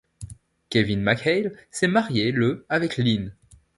Kevin McHale s'est marié le avec Lynn.